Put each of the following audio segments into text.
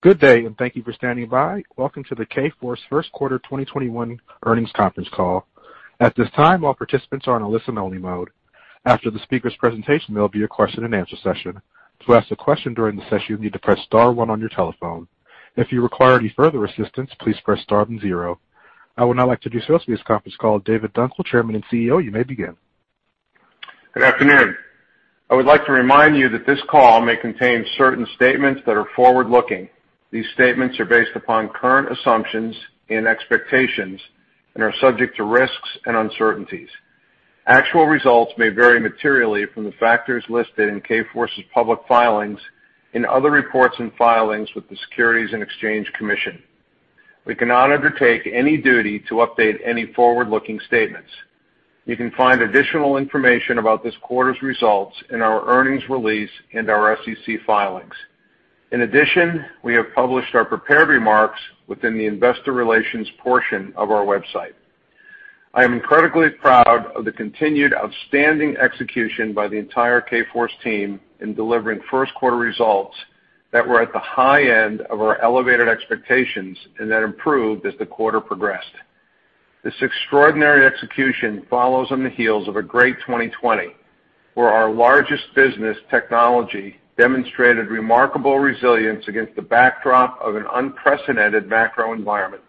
Good day, and thank you for standing by. Welcome to the Kforce First Quarter 2021 Earnings Conference Call. At this time, all participants are in a listen only mode. After the speakers' presentation, there will be a question and answer session. To ask a question during the session, you will need to press star one on your telephone. If you require any further assistance, please press star then zero. I would now like to introduce to this conference call David Dunkel, Chairman and CEO. You may begin. Good afternoon. I would like to remind you that this call may contain certain statements that are forward-looking. These statements are based upon current assumptions and expectations and are subject to risks and uncertainties. Actual results may vary materially from the factors listed in Kforce's public filings, in other reports and filings with the Securities and Exchange Commission. We cannot undertake any duty to update any forward-looking statements. You can find additional information about this quarter's results in our earnings release and our SEC filings. In addition, we have published our prepared remarks within the investor relations portion of our website. I am incredibly proud of the continued outstanding execution by the entire Kforce team in delivering first quarter results that were at the high end of our elevated expectations and that improved as the quarter progressed. This extraordinary execution follows on the heels of a great 2020, where our largest business, technology, demonstrated remarkable resilience against the backdrop of an unprecedented macro environment.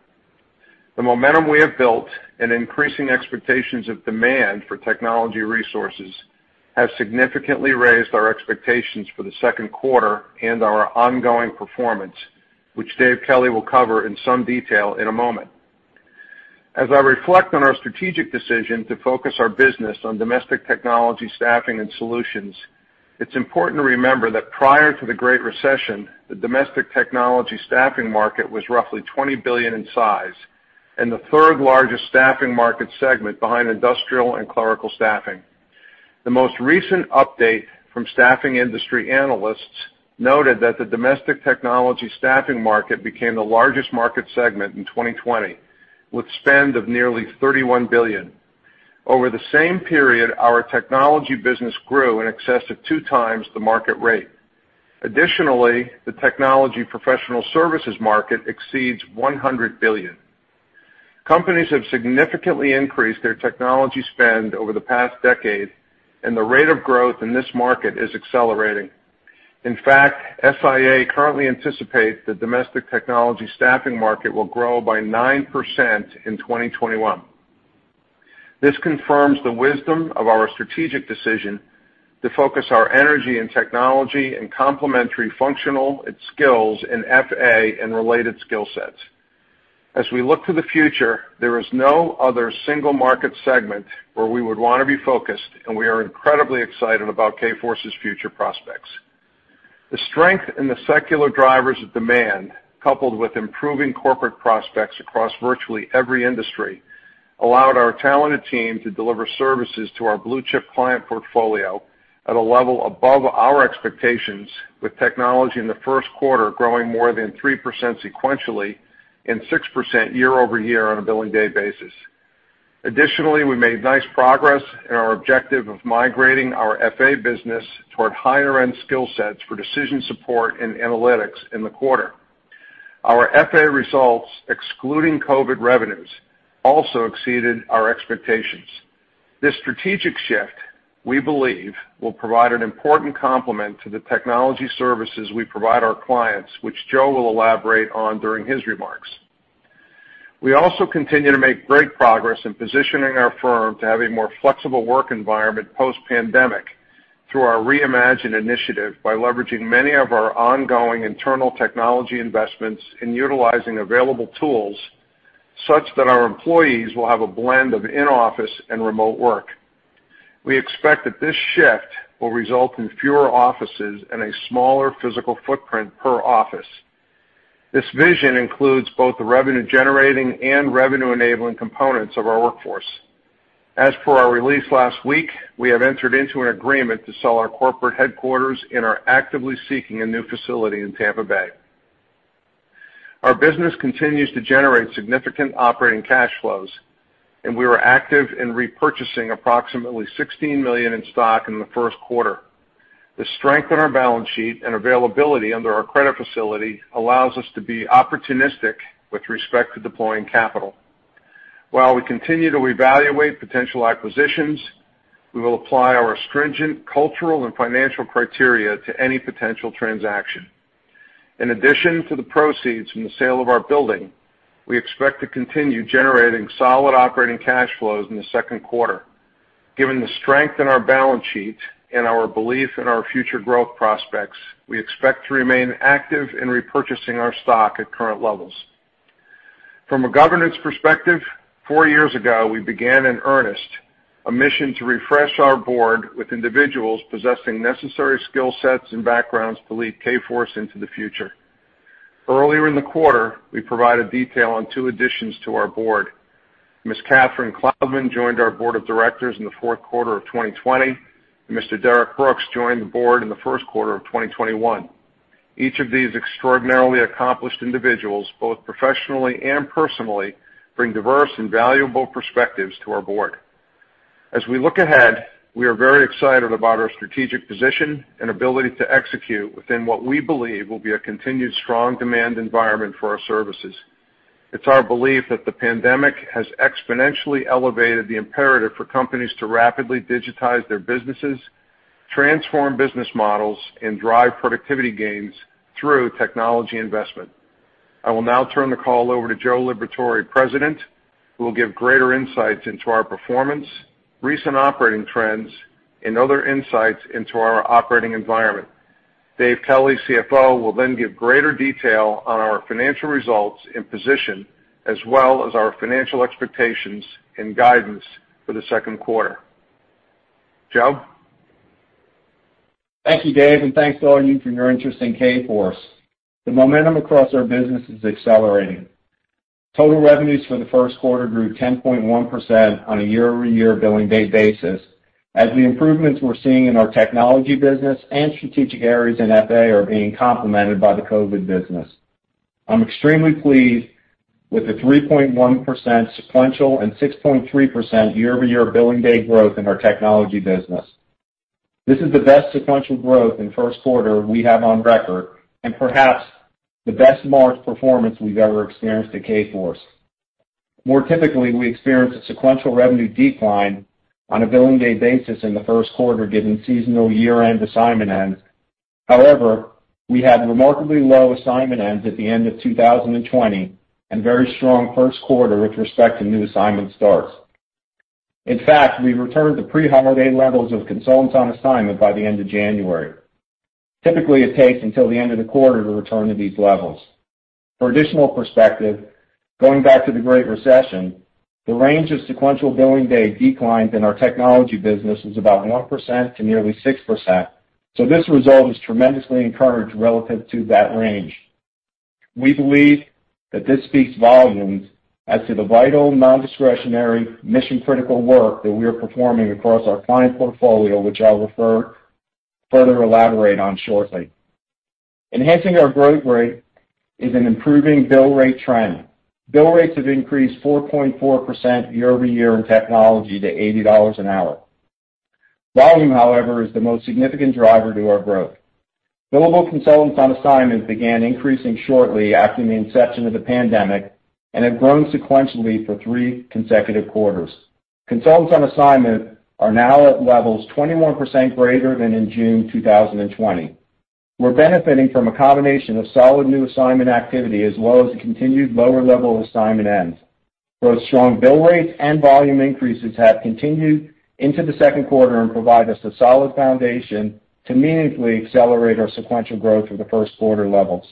The momentum we have built and increasing expectations of demand for technology resources have significantly raised our expectations for the second quarter and our ongoing performance, which Dave Kelly will cover in some detail in a moment. As I reflect on our strategic decision to focus our business on domestic technology staffing and solutions, it is important to remember that prior to the Great Recession, the domestic technology staffing market was roughly $20 billion in size and the third largest staffing market segment behind industrial and clerical staffing. The most recent update from Staffing Industry Analysts noted that the domestic technology staffing market became the largest market segment in 2020, with spend of nearly $31 billion. Over the same period, our technology business grew in excess of two times the market rate. The technology professional services market exceeds $100 billion. Companies have significantly increased their technology spend over the past decade, and the rate of growth in this market is accelerating. In fact, SIA currently anticipate the domestic technology staffing market will grow by 9% in 2021. This confirms the wisdom of our strategic decision to focus our energy in technology and complementary functional and skills in FA and related skill sets. As we look to the future, there is no other single market segment where we would want to be focused, and we are incredibly excited about Kforce's future prospects. The strength in the secular drivers of demand, coupled with improving corporate prospects across virtually every industry, allowed our talented team to deliver services to our blue-chip client portfolio at a level above our expectations with technology in the first quarter growing more than 3% sequentially and 6% year-over-year on a billing day basis. Additionally, we made nice progress in our objective of migrating our FA business toward higher-end skill sets for decision support and analytics in the quarter. Our FA results, excluding COVID revenues, also exceeded our expectations. This strategic shift, we believe, will provide an important complement to the technology services we provide our clients, which Joe will elaborate on during his remarks. We also continue to make great progress in positioning our firm to have a more flexible work environment post-pandemic through our Reimagined initiative by leveraging many of our ongoing internal technology investments in utilizing available tools, such that our employees will have a blend of in-office and remote work. We expect that this shift will result in fewer offices and a smaller physical footprint per office. This vision includes both the revenue-generating and revenue-enabling components of our workforce. As for our release last week, we have entered into an agreement to sell our corporate headquarters and are actively seeking a new facility in Tampa Bay. Our business continues to generate significant operating cash flows, and we were active in repurchasing approximately $16 million in stock in the first quarter. The strength in our balance sheet and availability under our credit facility allows us to be opportunistic with respect to deploying capital. While we continue to evaluate potential acquisitions, we will apply our stringent cultural and financial criteria to any potential transaction. In addition to the proceeds from the sale of our building, we expect to continue generating solid operating cash flows in the second quarter. Given the strength in our balance sheet and our belief in our future growth prospects, we expect to remain active in repurchasing our stock at current levels. From a governance perspective, four years ago, we began in earnest a mission to refresh our board with individuals possessing necessary skill sets and backgrounds to lead Kforce into the future. Earlier in the quarter, we provided detail on two additions to our board. Ms. Catherine Cloudman joined our Board of Directors in the fourth quarter of 2020. Mr. Derrick Brooks joined the board in the first quarter of 2021. Each of these extraordinarily accomplished individuals, both professionally and personally, bring diverse and valuable perspectives to our board. As we look ahead, we are very excited about our strategic position and ability to execute within what we believe will be a continued strong demand environment for our services. It's our belief that the pandemic has exponentially elevated the imperative for companies to rapidly digitize their businesses, transform business models, and drive productivity gains through technology investment. I will now turn the call over to Joe Liberatore, President, who will give greater insights into our performance, recent operating trends, and other insights into our operating environment. Dave Kelly, CFO, will then give greater detail on our financial results and position, as well as our financial expectations and guidance for the second quarter. Joe? Thank you, Dave. Thanks to all of you for your interest in Kforce. The momentum across our business is accelerating. Total revenues for the first quarter grew 10.1% on a year-over-year billing day basis, as the improvements we're seeing in our technology business and strategic areas in FA are being complemented by the COVID business. I'm extremely pleased with the 3.1% sequential and 6.3% year-over-year billing day growth in our technology business. This is the best sequential growth in first quarter we have on record, and perhaps the best March performance we've ever experienced at Kforce. More typically, we experience a sequential revenue decline on a billing day basis in the first quarter given seasonal year-end assignment ends. However, we had remarkably low assignment ends at the end of 2020 and very strong first quarter with respect to new assignment starts. In fact, we returned to pre-holiday levels of consultants on assignment by the end of January. Typically, it takes until the end of the quarter to return to these levels. For additional perspective, going back to the Great Recession, the range of sequential billing day declines in our technology business was about 1% to nearly 6%, so this result is tremendously encouraged relative to that range. We believe that this speaks volumes as to the vital, non-discretionary, mission-critical work that we are performing across our client portfolio, which I'll further elaborate on shortly. Enhancing our growth rate is an improving bill rate trend. Bill rates have increased 4.4% year-over-year in technology to $80/hr. Volume, however, is the most significant driver to our growth. Billable consultants on assignment began increasing shortly after the inception of the pandemic and have grown sequentially for three consecutive quarters. Consultants on assignment are now at levels 21% greater than in June 2020. We're benefiting from a combination of solid new assignment activity, as well as the continued lower level of assignment ends. Both strong bill rates and volume increases have continued into the second quarter and provide us a solid foundation to meaningfully accelerate our sequential growth through the first quarter levels.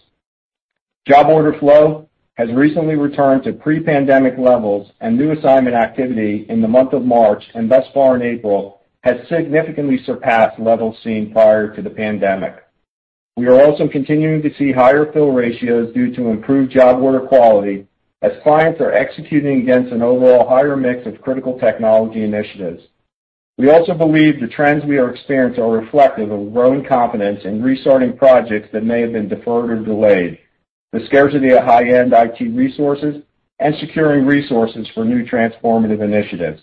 Job order flow has recently returned to pre-pandemic levels, and new assignment activity in the month of March and thus far in April, has significantly surpassed levels seen prior to the pandemic. We are also continuing to see higher bill ratios due to improved job order quality as clients are executing against an overall higher mix of critical technology initiatives. We also believe the trends we are experiencing are reflective of a growing confidence in restarting projects that may have been deferred or delayed, the scarcity of high-end IT resources, and securing resources for new transformative initiatives.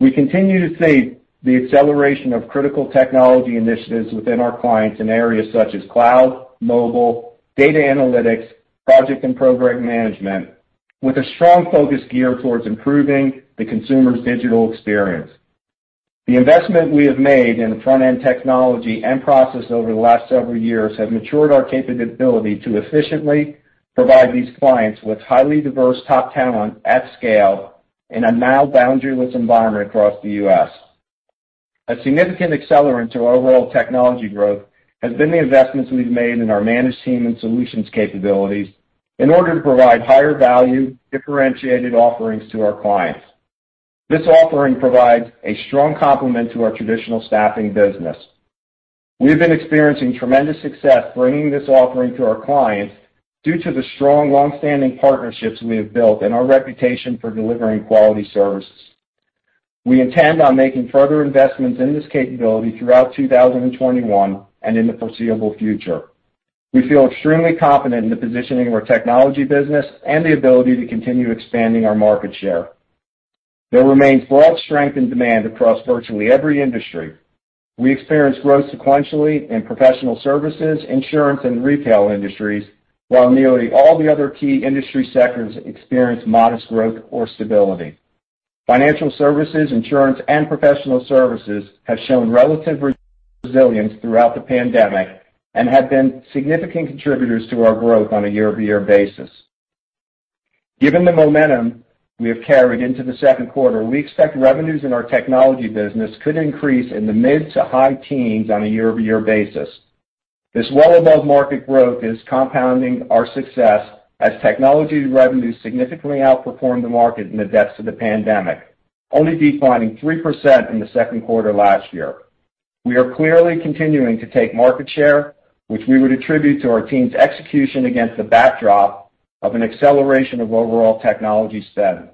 We continue to see the acceleration of critical technology initiatives within our clients in areas such as cloud, mobile, data analytics, project and program management, with a strong focus geared towards improving the consumer's digital experience. The investment we have made in front-end technology and process over the last several years have matured our capability to efficiently provide these clients with highly diverse top talent at scale in a now boundaryless environment across the U.S. A significant accelerant to our overall technology growth has been the investments we've made in our managed team and solutions capabilities in order to provide higher value, differentiated offerings to our clients. This offering provides a strong complement to our traditional staffing business. We have been experiencing tremendous success bringing this offering to our clients due to the strong, longstanding partnerships we have built and our reputation for delivering quality services. We intend on making further investments in this capability throughout 2021 and in the foreseeable future. We feel extremely confident in the positioning of our technology business and the ability to continue expanding our market share. There remains broad strength and demand across virtually every industry. We experienced growth sequentially in professional services, insurance, and retail industries, while nearly all the other key industry sectors experienced modest growth or stability. Financial services, insurance, and professional services have shown relative resilience throughout the pandemic and have been significant contributors to our growth on a year-over-year basis. Given the momentum we have carried into the second quarter, we expect revenues in our technology business could increase in the mid-to-high-teens on a year-over-year basis. This well above market growth is compounding our success as technology revenues significantly outperformed the market in the depths of the pandemic, only declining 3% in the second quarter last year. We are clearly continuing to take market share, which we would attribute to our team's execution against the backdrop of an acceleration of overall technology spend.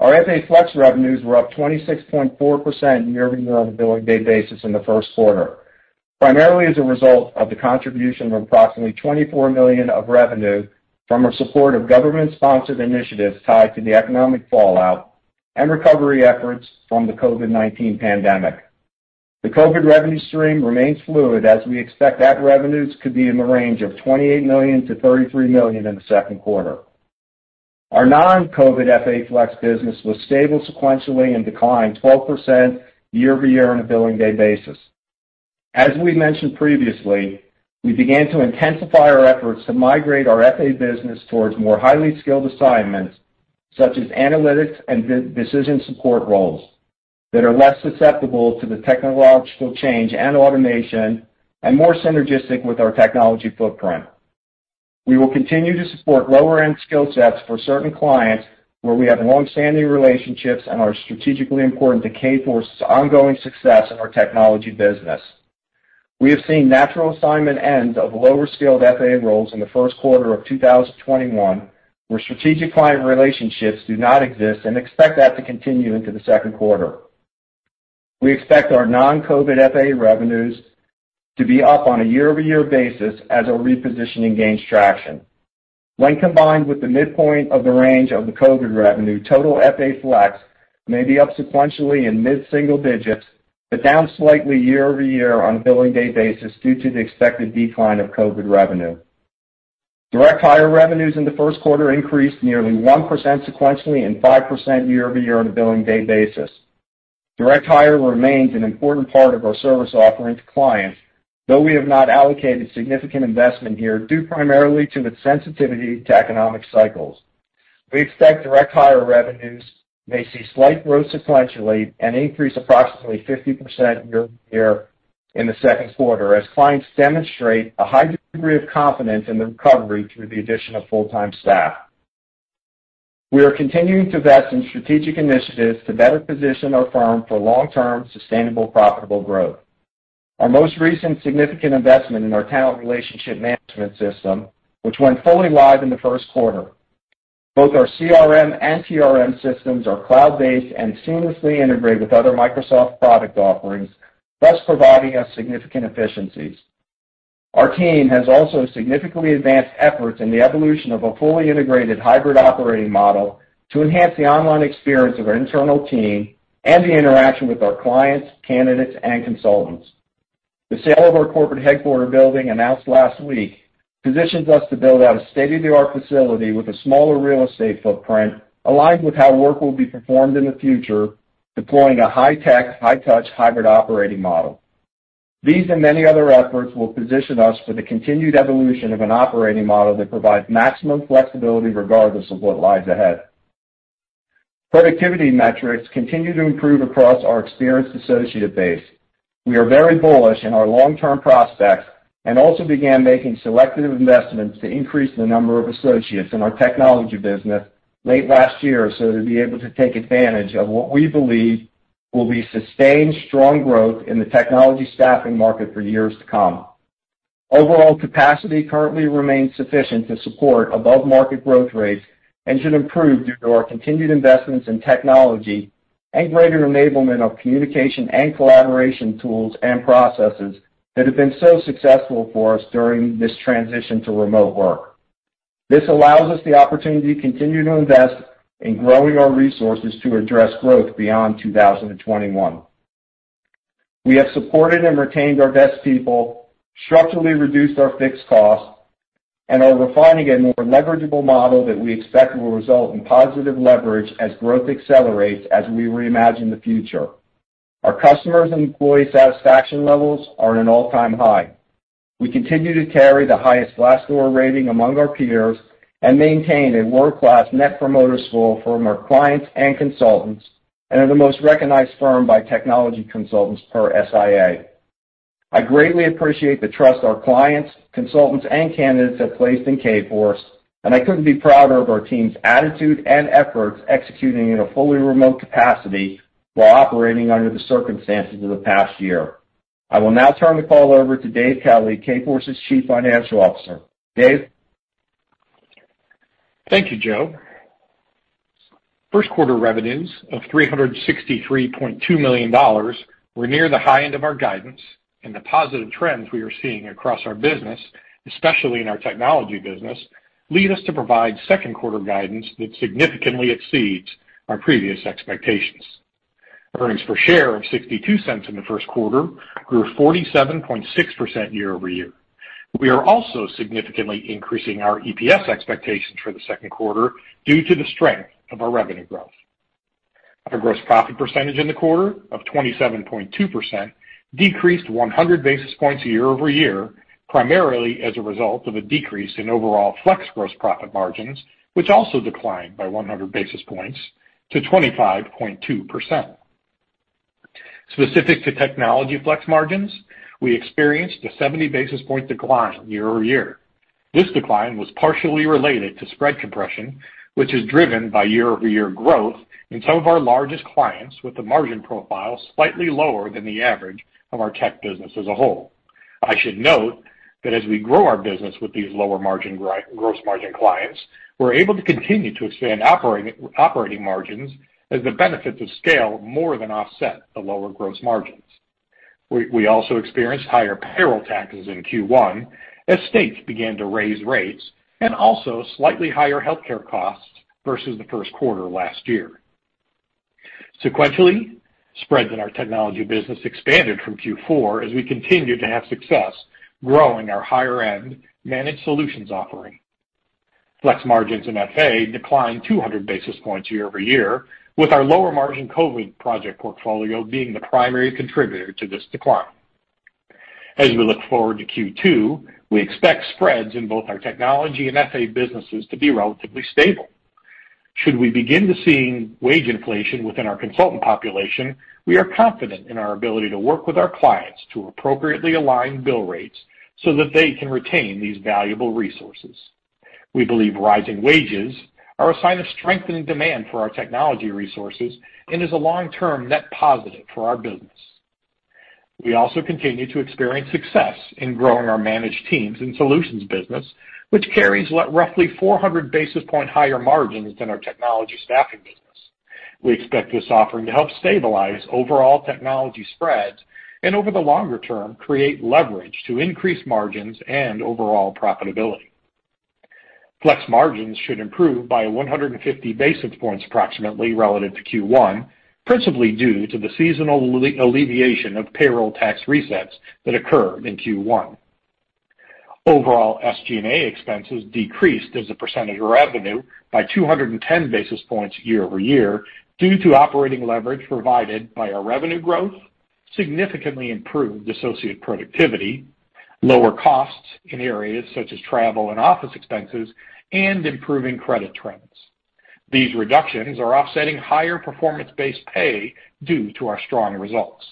Our FA Flex revenues were up 26.4% year-over-year on a billing day basis in the first quarter. Primarily as a result of the contribution of approximately $24 million of revenue from our support of government-sponsored initiatives tied to the economic fallout and recovery efforts from the COVID-19 pandemic. The COVID revenue stream remains fluid, as we expect that revenues could be in the range of $28 million-$33 million in the second quarter. Our non-COVID FA Flex business was stable sequentially and declined 12% year-over-year on a billing day basis. As we mentioned previously, we began to intensify our efforts to migrate our FA business towards more highly skilled assignments, such as analytics and decision support roles that are less susceptible to the technological change and automation and more synergistic with our technology footprint. We will continue to support lower-end skill sets for certain clients where we have long-standing relationships and are strategically important to Kforce's ongoing success in our technology business. We have seen natural assignment ends of lower-skilled FA roles in the first quarter of 2021, where strategic client relationships do not exist and expect that to continue into the second quarter. We expect our non-COVID FA revenues to be up on a year-over-year basis as our repositioning gains traction. When combined with the midpoint of the range of the COVID revenue, total FA Flex may be up sequentially in mid-single digits, but down slightly year-over-year on a billing day basis due to the expected decline of COVID revenue. Direct hire revenues in the first quarter increased nearly 1% sequentially and 5% year-over-year on a billing day basis. Direct hire remains an important part of our service offering to clients, though we have not allocated significant investment here due primarily to its sensitivity to economic cycles. We expect direct hire revenues may see slight growth sequentially and increase approximately 50% year-over-year in the second quarter as clients demonstrate a high degree of confidence in the recovery through the addition of full-time staff. We are continuing to invest in strategic initiatives to better position our firm for long-term, sustainable, profitable growth. Our most recent significant investment in our talent relationship management system, which went fully live in the first quarter. Both our CRM and TRM systems are cloud-based and seamlessly integrated with other Microsoft product offerings, thus providing us significant efficiencies. Our team has also significantly advanced efforts in the evolution of a fully integrated hybrid operating model to enhance the online experience of our internal team and the interaction with our clients, candidates, and consultants. The sale of our corporate headquarter building, announced last week, positions us to build out a state-of-the-art facility with a smaller real estate footprint aligned with how work will be performed in the future, deploying a high-tech, high-touch hybrid operating model. These and many other efforts will position us for the continued evolution of an operating model that provides maximum flexibility regardless of what lies ahead. Productivity metrics continue to improve across our experienced associate base. We are very bullish in our long-term prospects and also began making selective investments to increase the number of associates in our technology business late last year, to be able to take advantage of what we believe will be sustained strong growth in the technology staffing market for years to come. Overall capacity currently remains sufficient to support above-market growth rates and should improve due to our continued investments in technology and greater enablement of communication and collaboration tools and processes that have been so successful for us during this transition to remote work. This allows us the opportunity to continue to invest in growing our resources to address growth beyond 2021. We have supported and retained our best people, structurally reduced our fixed costs, and are refining a more leverageable model that we expect will result in positive leverage as growth accelerates as we reimagine the future. Our customers and employee satisfaction levels are at an all-time high. We continue to carry the highest Glassdoor rating among our peers and maintain a world-class net promoter score from our clients and consultants and are the most recognized firm by technology consultants per SIA. I greatly appreciate the trust our clients, consultants, and candidates have placed in Kforce, and I couldn't be prouder of our team's attitude and efforts executing in a fully remote capacity while operating under the circumstances of the past year. I will now turn the call over to Dave Kelly, Kforce's Chief Financial Officer. Dave? Thank you, Joe. First quarter revenues of $363.2 million were near the high end of our guidance, and the positive trends we are seeing across our business, especially in our technology business, lead us to provide second quarter guidance that significantly exceeds our previous expectations. Earnings per share of $0.62 in the first quarter grew 47.6% year-over-year. We are also significantly increasing our EPS expectations for the second quarter due to the strength of our revenue growth. Our gross profit percentage in the quarter of 27.2% decreased 100 basis points year-over-year, primarily as a result of a decrease in overall flex gross profit margins, which also declined by 100 basis points to 25.2%. Specific to technology flex margins, we experienced a 70 basis point decline year-over-year. This decline was partially related to spread compression, which is driven by year-over-year growth in some of our largest clients with a margin profile slightly lower than the average of our tech business as a whole. I should note that as we grow our business with these lower gross margin clients, we're able to continue to expand operating margins as the benefits of scale more than offset the lower gross margins. We also experienced higher payroll taxes in Q1 as states began to raise rates, and also slightly higher healthcare costs versus the first quarter last year. Sequentially, spreads in our technology business expanded from Q4 as we continued to have success growing our higher-end managed solutions offering. Flex margins in FA declined 200 basis points year-over-year, with our lower margin COVID project portfolio being the primary contributor to this decline. As we look forward to Q2, we expect spreads in both our technology and FA businesses to be relatively stable. Should we begin to see wage inflation within our consultant population, we are confident in our ability to work with our clients to appropriately align bill rates so that they can retain these valuable resources. We believe rising wages are a sign of strengthening demand for our technology resources and is a long-term net positive for our business. We also continue to experience success in growing our managed teams and solutions business, which carries roughly 400 basis point higher margins than our technology staffing business. We expect this offering to help stabilize overall technology spreads, and over the longer term, create leverage to increase margins and overall profitability. Flex margins should improve by 150 basis points approximately relative to Q1, principally due to the seasonal alleviation of payroll tax resets that occur in Q1. Overall, SG&A expenses decreased as a percentage of revenue by 210 basis points year-over-year due to operating leverage provided by our revenue growth, significantly improved associate productivity, lower costs in areas such as travel and office expenses, and improving credit trends. These reductions are offsetting higher performance-based pay due to our strong results.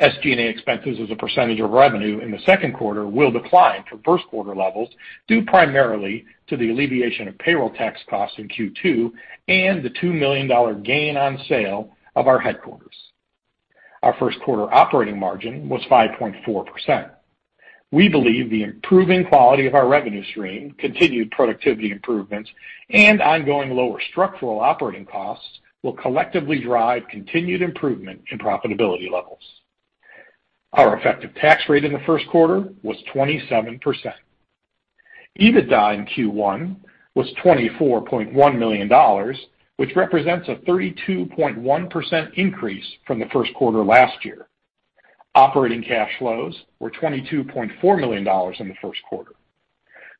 SG&A expenses as a percentage of revenue in the second quarter will decline from first quarter levels, due primarily to the alleviation of payroll tax costs in Q2 and the $2 million gain on sale of our headquarters. Our first quarter operating margin was 5.4%. We believe the improving quality of our revenue stream, continued productivity improvements, and ongoing lower structural operating costs will collectively drive continued improvement in profitability levels. Our effective tax rate in the first quarter was 27%. EBITDA in Q1 was $24.1 million, which represents a 32.1% increase from the first quarter last year. Operating cash flows were $22.4 million in the first quarter.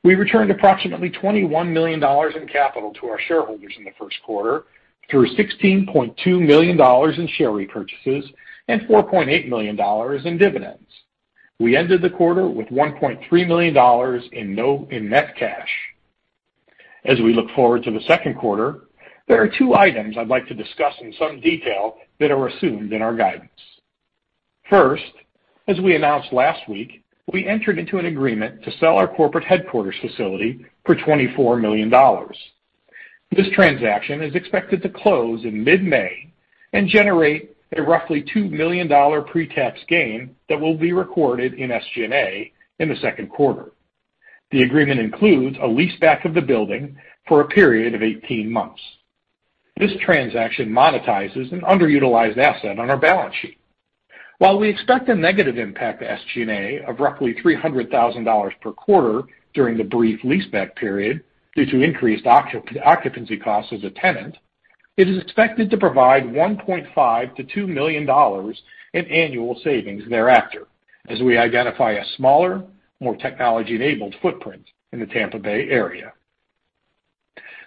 We returned approximately $21 million in capital to our shareholders in the first quarter through $16.2 million in share repurchases and $4.8 million in dividends. We ended the quarter with $1.3 million in net cash. As we look forward to the second quarter, there are two items I'd like to discuss in some detail that are assumed in our guidance. First, as we announced last week, we entered into an agreement to sell our corporate headquarters facility for $24 million. This transaction is expected to close in mid-May and generate a roughly $2 million pre-tax gain that will be recorded in SG&A in the second quarter. The agreement includes a leaseback of the building for a period of 18 months. This transaction monetizes an underutilized asset on our balance sheet. While we expect a negative impact to SG&A of roughly $300,000 per quarter during the brief leaseback period due to increased occupancy costs as a tenant, it is expected to provide $1.5 million-$2 million in annual savings thereafter as we identify a smaller, more technology-enabled footprint in the Tampa Bay area.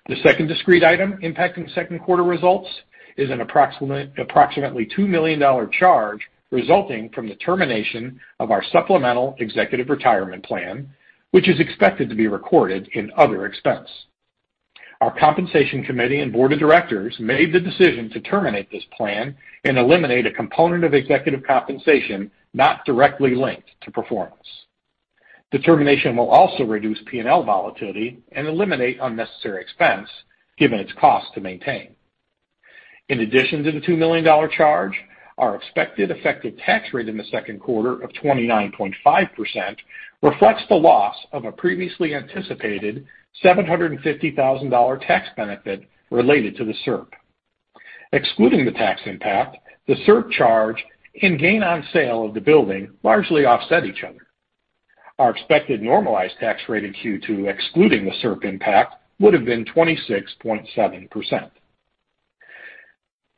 The second discrete item impacting second quarter results is an approximately $2 million charge resulting from the termination of our supplemental executive retirement plan, which is expected to be recorded in other expense. Our compensation committee and board of directors made the decision to terminate this plan and eliminate a component of executive compensation not directly linked to performance. The termination will also reduce P&L volatility and eliminate unnecessary expense given its cost to maintain. In addition to the $2 million charge, our expected effective tax rate in the second quarter of 29.5% reflects the loss of a previously anticipated $750,000 tax benefit related to the SERP. Excluding the tax impact, the SERP charge and gain on sale of the building largely offset each other. Our expected normalized tax rate in Q2 excluding the SERP impact would've been 26.7%.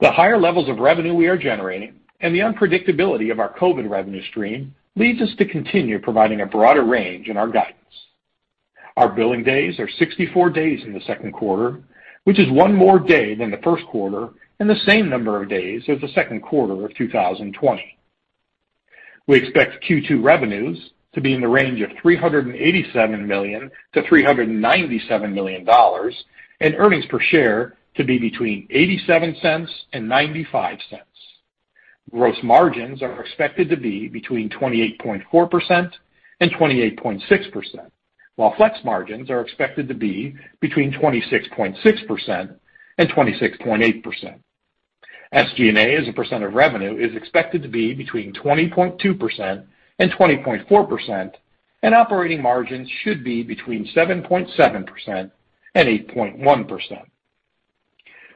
The higher levels of revenue we are generating and the unpredictability of our COVID revenue stream leads us to continue providing a broader range in our guidance. Our billing days are 64 days in the second quarter, which is one more day than the first quarter and the same number of days as the second quarter of 2020. We expect Q2 revenues to be in the range of $387 million-$397 million and earnings per share to be between $0.87 and $0.95. Gross margins are expected to be between 28.4% and 28.6%, while flex margins are expected to be between 26.6% and 26.8%. SG&A as a percent of revenue is expected to be between 20.2% and 20.4%, and operating margins should be between 7.7% and 8.1%.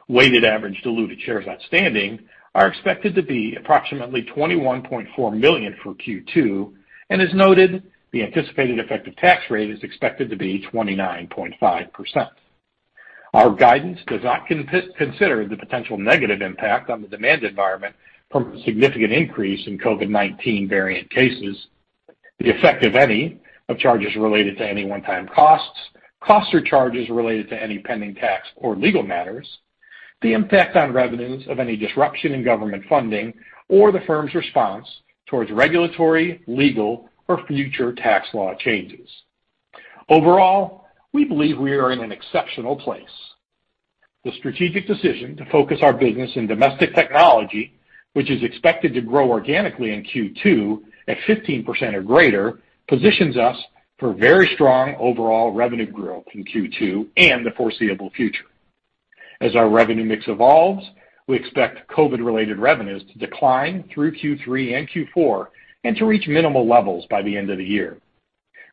Weighted average diluted shares outstanding are expected to be approximately 21.4 million for Q2, and as noted, the anticipated effective tax rate is expected to be 29.5%. Our guidance does not consider the potential negative impact on the demand environment from a significant increase in COVID-19 variant cases, the effect, if any, of charges related to any one-time costs or charges related to any pending tax or legal matters, the impact on revenues of any disruption in government funding, or the firm's response towards regulatory, legal, or future tax law changes. Overall, we believe we are in an exceptional place. The strategic decision to focus our business in domestic technology, which is expected to grow organically in Q2 at 15% or greater, positions us for very strong overall revenue growth in Q2 and the foreseeable future. As our revenue mix evolves, we expect COVID-related revenues to decline through Q3 and Q4 and to reach minimal levels by the end of the year.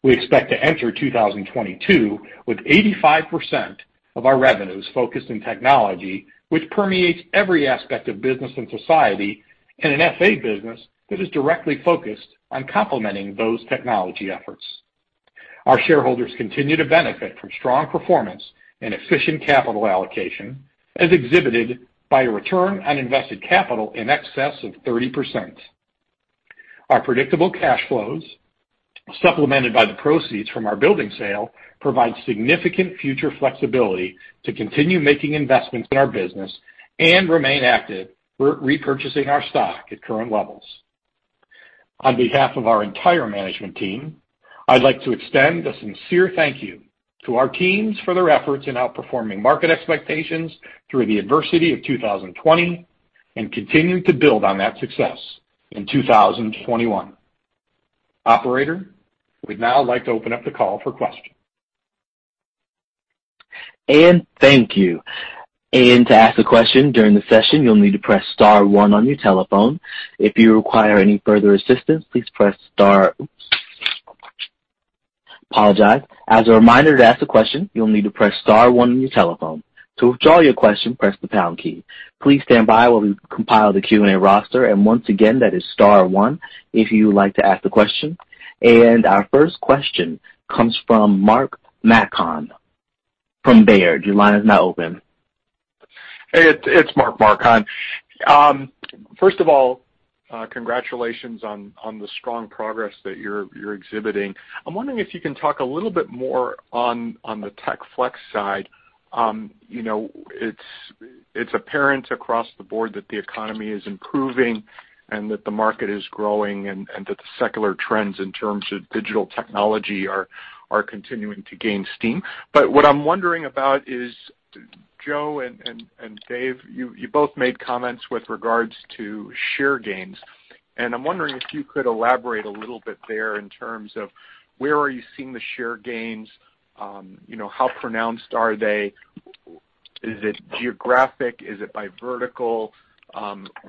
We expect to enter 2022 with 85% of our revenues focused in technology, which permeates every aspect of business and society, and an FA business that is directly focused on complementing those technology efforts. Our shareholders continue to benefit from strong performance and efficient capital allocation, as exhibited by a return on invested capital in excess of 30%. Our predictable cash flows, supplemented by the proceeds from our building sale, provide significant future flexibility to continue making investments in our business and remain active for repurchasing our stock at current levels. On behalf of our entire management team, I'd like to extend a sincere thank you to our teams for their efforts in outperforming market expectations through the adversity of 2020 and continuing to build on that success in 2021. Operator, we'd now like to open up the call for questions. Thank you. To ask a question during the session, you'll need to press star one on your telephone. If you require any further assistance, please press star. Apologize. As a reminder, to ask a question, you'll need to press star one on your telephone. To withdraw your question, press the pound key. Please stand by while we compile the Q&A roster. Once again, that is star one if you would like to ask the question. Our first question comes from Mark Marcon from Baird. Your line is now open. Hey, it's Mark Marcon. First of all, congratulations on the strong progress that you're exhibiting. I'm wondering if you can talk a little bit more on the Tech Flex side. It's apparent across the board that the economy is improving and that the market is growing, and that the secular trends in terms of digital technology are continuing to gain steam. What I'm wondering about is, Joe and Dave, you both made comments with regards to share gains. I'm wondering if you could elaborate a little bit there in terms of where are you seeing the share gains? How pronounced are they? Is it geographic? Is it by vertical?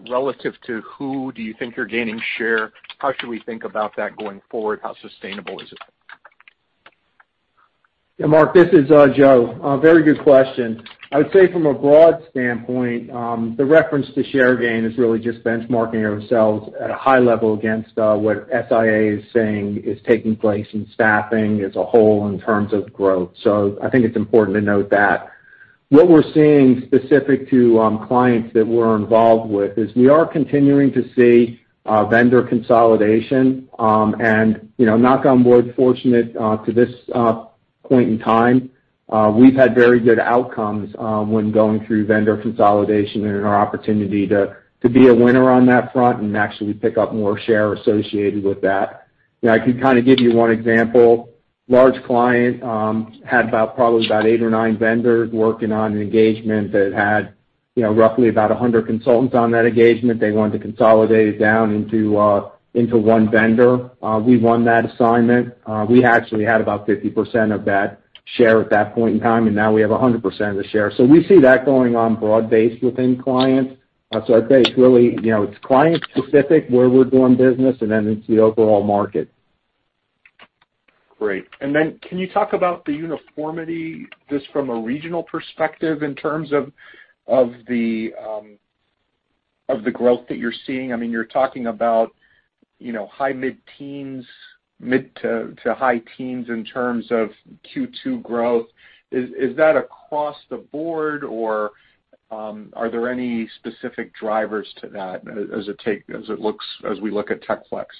Relative to who do you think you're gaining share? How should we think about that going forward? How sustainable is it? Yeah, Mark, this is Joe. Very good question. I would say from a broad standpoint, the reference to share gain is really just benchmarking ourselves at a high level against what SIA is saying is taking place in staffing as a whole in terms of growth. I think it's important to note that. What we're seeing specific to clients that we're involved with is we are continuing to see vendor consolidation. Knock on wood, fortunate to this point in time, we've had very good outcomes when going through vendor consolidation and our opportunity to be a winner on that front and actually pick up more share associated with that. I could give you one example. Large client had about probably about eight or nine vendors working on an engagement that had roughly about 100 consultants on that engagement. They wanted to consolidate it down into one vendor. We won that assignment. We actually had about 50% of that share at that point in time, and now we have 100% of the share. We see that going on broad-based within clients. I'd say it's client-specific, where we're doing business, and then it's the overall market. Great. Can you talk about the uniformity, just from a regional perspective, in terms of the growth that you're seeing? You're talking about high mid-teens, mid to high teens in terms of Q2 growth. Is that across the board, or are there any specific drivers to that as we look at Tech Flex?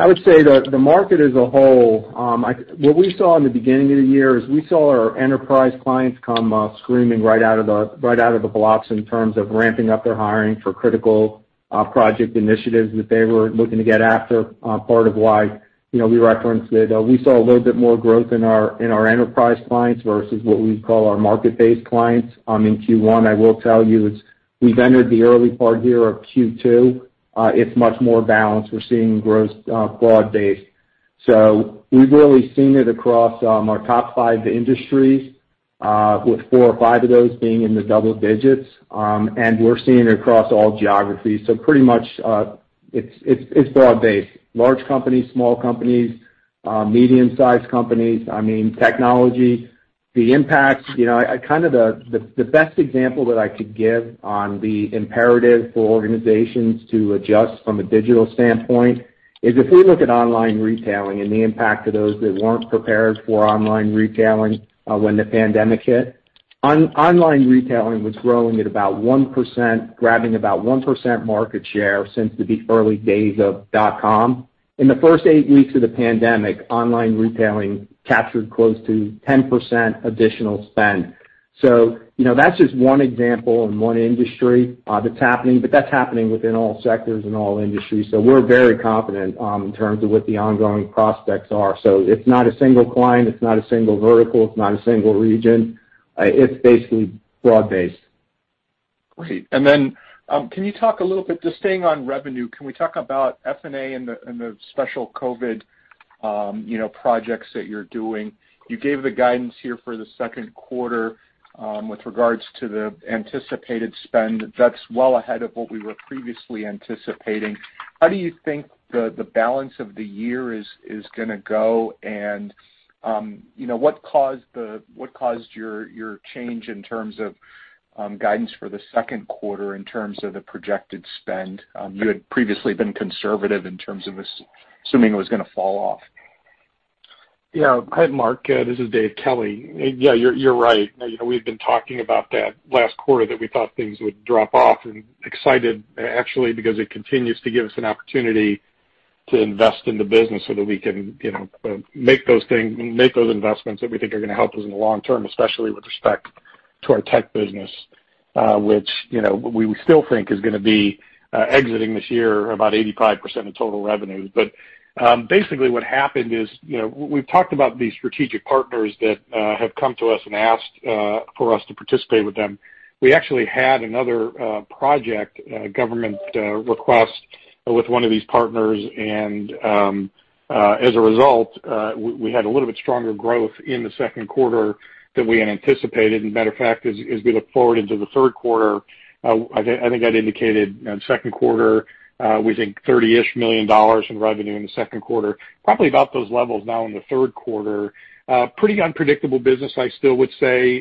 I would say the market as a whole, what we saw in the beginning of the year is we saw our enterprise clients come screaming right out of the blocks in terms of ramping up their hiring for critical project initiatives that they were looking to get after. Part of why we referenced that we saw a little bit more growth in our enterprise clients versus what we call our market-based clients in Q1. I will tell you, we've entered the early part here of Q2. It's much more balanced. We're seeing growth broad-based. We've really seen it across our top five industries, with four or five of those being in the double digits. We're seeing it across all geographies. Pretty much, it's broad-based. Large companies, small companies, medium-sized companies, technology. The best example that I could give on the imperative for organizations to adjust from a digital standpoint is if we look at online retailing and the impact of those that weren't prepared for online retailing when the pandemic hit. Online retailing was growing at about 1%, grabbing about 1% market share since the early days of dot com. In the first eight weeks of the pandemic, online retailing captured close to 10% additional spend. That's just one example in one industry that's happening, but that's happening within all sectors and all industries. We're very confident in terms of what the ongoing prospects are. It's not a single client, it's not a single vertical, it's not a single region. It's basically broad based. Great. Then, can you talk a little bit, just staying on revenue, can we talk about FA and the special COVID projects that you're doing? You gave the guidance here for the second quarter with regards to the anticipated spend. That's well ahead of what we were previously anticipating. How do you think the balance of the year is going to go, and what caused your change in terms of guidance for the second quarter, in terms of the projected spend? You had previously been conservative in terms of assuming it was going to fall off. Yeah. Hi, Mark. This is Dave Kelly. Yeah, you're right. We've been talking about that last quarter that we thought things would drop off and excited actually, because it continues to give us an opportunity to invest in the business so that we can make those investments that we think are going to help us in the long term, especially with respect to our tech business, which we still think is going to be exiting this year about 85% of total revenue. Basically what happened is we've talked about the strategic partners that have come to us and asked for us to participate with them. We actually had another project, a government request with one of these partners, and as a result, we had a little bit stronger growth in the second quarter than we had anticipated. Matter of fact, as we look forward into the third quarter, I think I'd indicated in the second quarter, we think $30-ish million in revenue in the second quarter, probably about those levels now in the third quarter. Pretty unpredictable business, I still would say.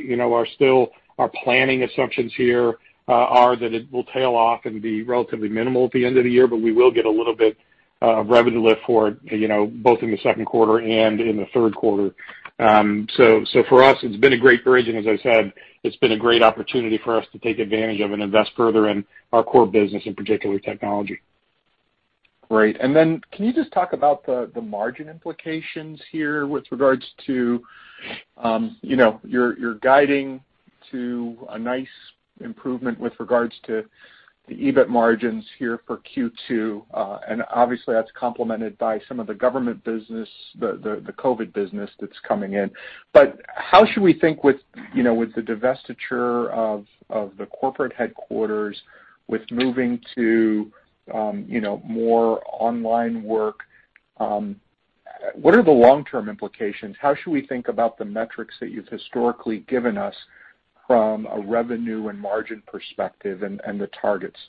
Our planning assumptions here are that it will tail off and be relatively minimal at the end of the year, but we will get a little bit of revenue lift for it, both in the second quarter and in the third quarter. For us, it's been a great bridge, and as I said, it's been a great opportunity for us to take advantage of and invest further in our core business, in particular technology. Great. Can you just talk about the margin implications here with regards to your guiding to a nice improvement with regards to the EBIT margins here for Q2, and obviously that's complemented by some of the government business, the COVID-19 business that's coming in. How should we think with the divestiture of the corporate headquarters with moving to more online work? What are the long-term implications? How should we think about the metrics that you've historically given us from a revenue and margin perspective and the targets?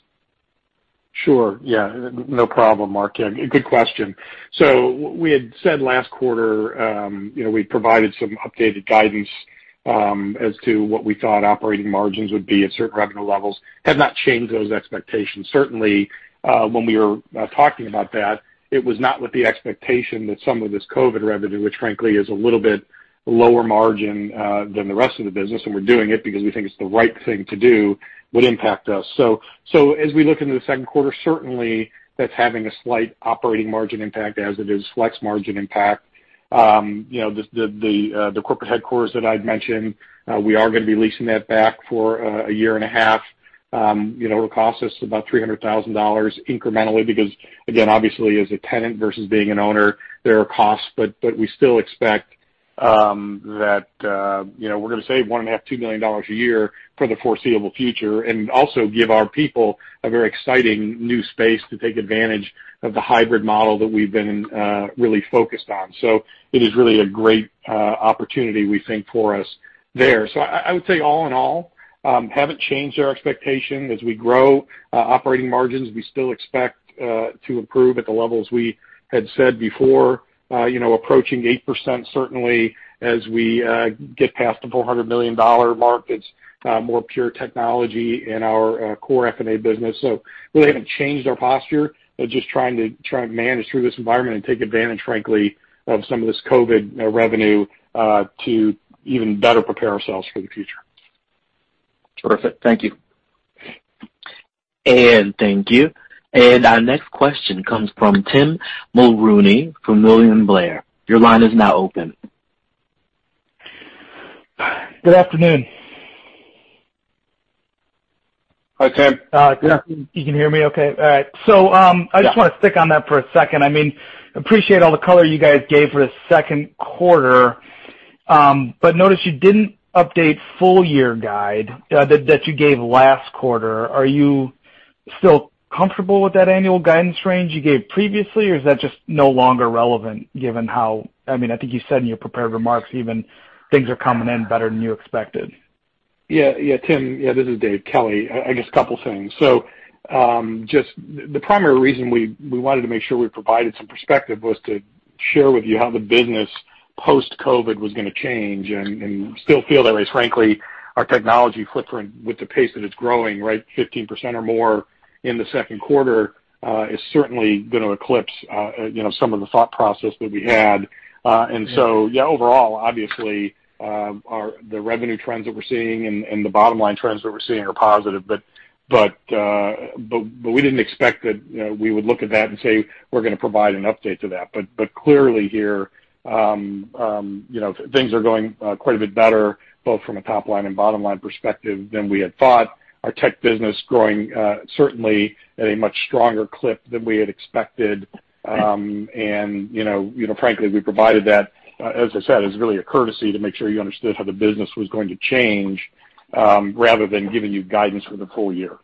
Sure. Yeah, no problem, Mark. Good question. We had said last quarter we provided some updated guidance as to what we thought operating margins would be at certain revenue levels, have not changed those expectations. Certainly, when we were talking about that, it was not with the expectation that some of this COVID revenue, which frankly is a little bit lower margin than the rest of the business, and we're doing it because we think it's the right thing to do, would impact us. As we look into the second quarter, certainly that's having a slight operating margin impact as it is flex margin impact. The corporate headquarters that I'd mentioned, we are going to be leasing that back for a year and a half. It'll cost us about $300,000 incrementally because, again, obviously as a tenant versus being an owner, there are costs, but we still expect that we're going to save $1.5 million, $2 million a year for the foreseeable future and also give our people a very exciting new space to take advantage of the hybrid model that we've been really focused on. It is really a great opportunity, we think, for us there. I would say all in all, haven't changed our expectation as we grow operating margins. We still expect to improve at the levels we had said before, approaching 8% certainly as we get past the $400 million mark. It's more pure technology in our core FA business. Really haven't changed our posture, but just trying to manage through this environment and take advantage, frankly, of some of this COVID revenue to even better prepare ourselves for the future. Perfect. Thank you. Thank you. Our next question comes from Tim Mulrooney from William Blair. Good afternoon. Hi, Tim. You can hear me okay? All right. Yeah. I just want to stick on that for a second. I appreciate all the color you guys gave for the second quarter. Notice you didn't update full year guide that you gave last quarter. Are you still comfortable with that annual guidance range you gave previously, or is that just no longer relevant given how I think you said in your prepared remarks, even things are coming in better than you expected. Yeah. Tim, this is Dave Kelly. I guess a couple things. Just the primary reason we wanted to make sure we provided some perspective was to share with you how the business post-COVID-19 was going to change, and still feel that way. Frankly, our technology footprint with the pace that it's growing, 15% or more in the second quarter, is certainly going to eclipse some of the thought process that we had. Overall, obviously, the revenue trends that we're seeing and the bottom line trends that we're seeing are positive, but we didn't expect that we would look at that and say, "We're going to provide an update to that." Clearly here, things are going quite a bit better, both from a top line and bottom line perspective than we had thought. Our tech business growing, certainly, at a much stronger clip than we had expected. Frankly, we provided that, as I said, as really a courtesy to make sure you understood how the business was going to change, rather than giving you guidance for the full year.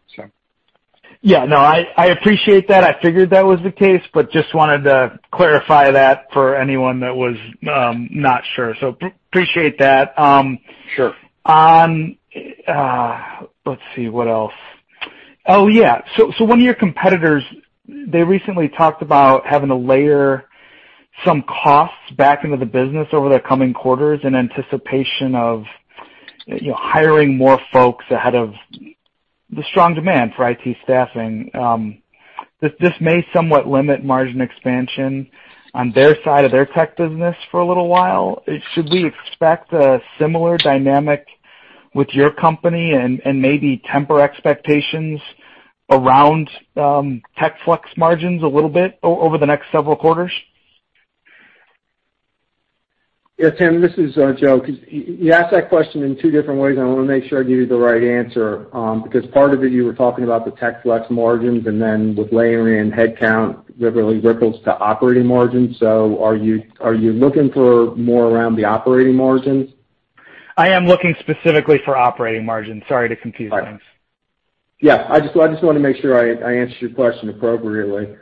Yeah. No, I appreciate that. I figured that was the case, but just wanted to clarify that for anyone that was not sure. Appreciate that. Sure. Let's see, what else? Oh, yeah. One of your competitors, they recently talked about having to layer some costs back into the business over the coming quarters in anticipation of hiring more folks ahead of the strong demand for IT staffing. This may somewhat limit margin expansion on their side of their tech business for a little while. Should we expect a similar dynamic with your company and maybe temper expectations around Tech Flex margins a little bit over the next several quarters? Yeah, Tim, this is Joe. You asked that question in two different ways, and I want to make sure I give you the right answer, because part of it, you were talking about the Tech Flex margins and then with layering in headcount, that really ripples to operating margins. Are you looking for more around the operating margins? I am looking specifically for operating margins. Sorry to confuse things. Yeah. I just want to make sure I answered your question appropriately.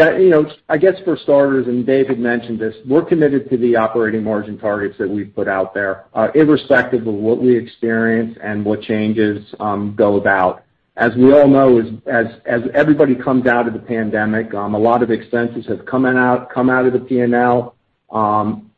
I guess for starters, and David mentioned this, we're committed to the operating margin targets that we've put out there, irrespective of what we experience and what changes go about. As we all know, as everybody comes out of the pandemic, a lot of expenses have come out of the P&L.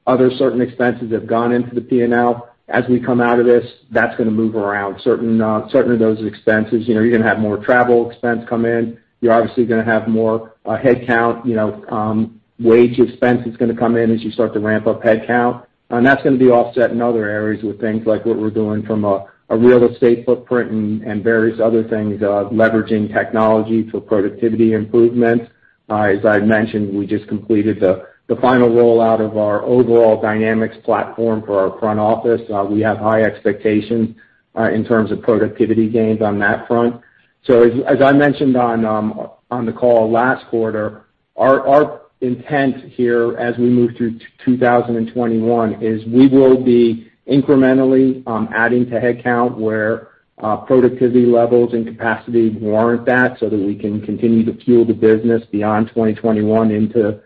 Other certain expenses have gone into the P&L. As we come out of this, that's going to move around. Certainly those expenses. You're going to have more travel expense come in. You're obviously going to have more headcount, wage expense is going to come in as you start to ramp up headcount. That's going to be offset in other areas with things like what we're doing from a real estate footprint and various other things, leveraging technology for productivity improvements. As I mentioned, we just completed the final rollout of our overall Dynamics platform for our front office. We have high expectations in terms of productivity gains on that front. As I mentioned on the call last quarter, our intent here as we move through 2021 is we will be incrementally adding to headcount where productivity levels and capacity warrant that, so that we can continue to fuel the business beyond 2021 into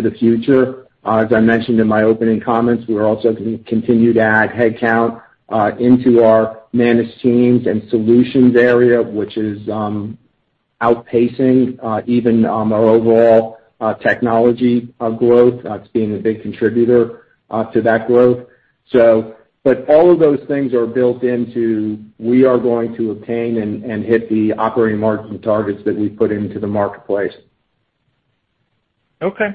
the future. As I mentioned in my opening comments, we're also going to continue to add headcount into our managed teams and solutions area, which is outpacing even our overall technology growth. It's being a big contributor to that growth. All of those things are built into, we are going to obtain and hit the operating margin targets that we put into the marketplace. Okay.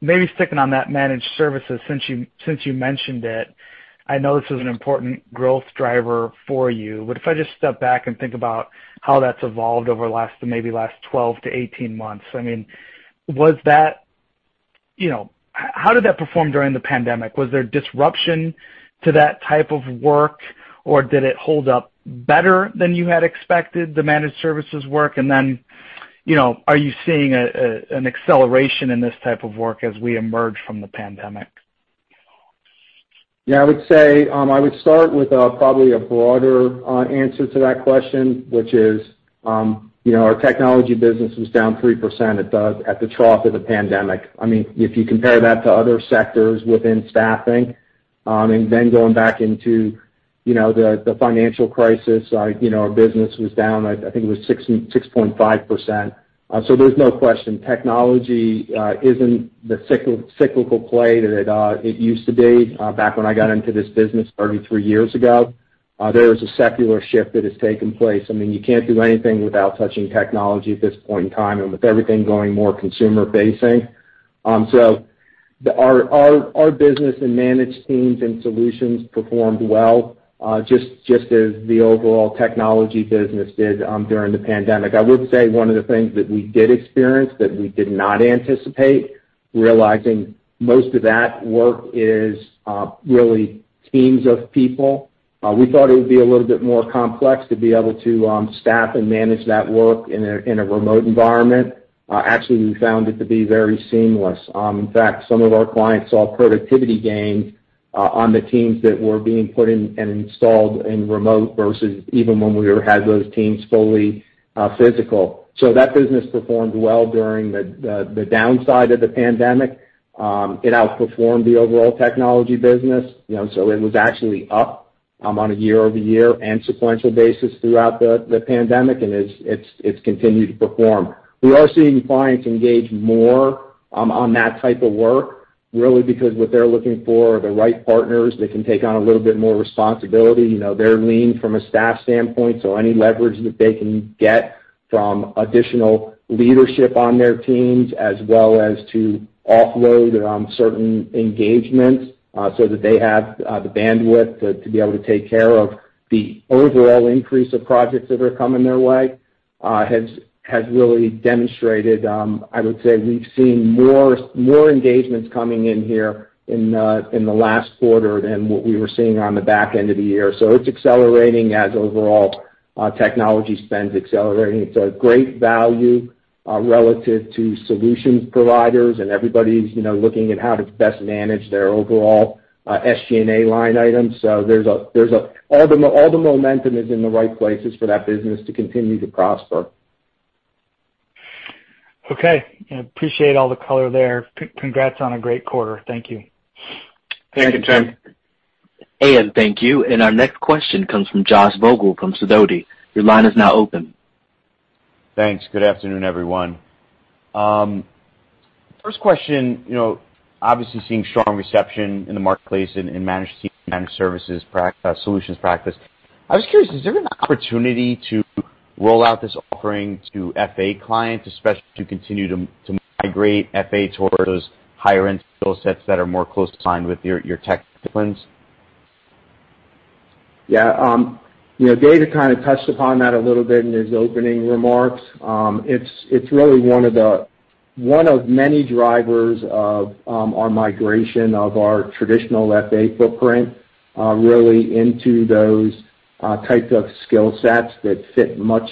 Maybe sticking on that managed services, since you mentioned it. I know this is an important growth driver for you. If I just step back and think about how that's evolved over maybe last 12-18 months, how did that perform during the pandemic? Was there disruption to that type of work, or did it hold up better than you had expected, the managed services work? Then, are you seeing an acceleration in this type of work as we emerge from the pandemic? I would start with probably a broader answer to that question, which is our technology business was down 3% at the trough of the pandemic. If you compare that to other sectors within staffing, and then going back into the financial crisis, our business was down, I think it was 6.5%. There's no question technology isn't the cyclical play that it used to be back when I got into this business 33 years ago. There is a secular shift that has taken place. You can't do anything without touching technology at this point in time, and with everything going more consumer facing. Our business in managed teams and solutions performed well, just as the overall technology business did during the pandemic. I would say one of the things that we did experience that we did not anticipate, realizing most of that work is really teams of people. We thought it would be a little bit more complex to be able to staff and manage that work in a remote environment. Actually, we found it to be very seamless. In fact, some of our clients saw productivity gains on the teams that were being put in and installed in remote versus even when we had those teams fully physical. That business performed well during the downside of the pandemic. It outperformed the overall technology business. It was actually up on a year-over-year and sequential basis throughout the pandemic, and it's continued to perform. We are seeing clients engage more on that type of work, really because what they're looking for are the right partners that can take on a little bit more responsibility. They're lean from a staff standpoint, any leverage that they can get from additional leadership on their teams, as well as to offload certain engagements so that they have the bandwidth to be able to take care of the overall increase of projects that are coming their way, has really demonstrated. I would say we've seen more engagements coming in here in the last quarter than what we were seeing on the back end of the year. It's accelerating as overall technology spend's accelerating. It's a great value relative to solutions providers, everybody's looking at how to best manage their overall SG&A line items. All the momentum is in the right places for that business to continue to prosper. Okay. Appreciate all the color there. Congrats on a great quarter. Thank you. Thank you, Tim. Thank you. Our next question comes from Josh Vogel from Sidoti. Your line is now open. Thanks. Good afternoon, everyone. First question. Obviously, seeing strong reception in the marketplace in Managed Services Solutions practice. I was curious, is there an opportunity to roll out this offering to FA clients, especially to continue to migrate FA towards higher end skill sets that are more closely aligned with your tech disciplines? Yeah. David kind of touched upon that a little bit in his opening remarks. It's really one of many drivers of our migration of our traditional FA footprint, really into those types of skill sets that fit much